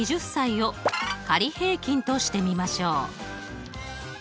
歳を仮平均としてみましょう。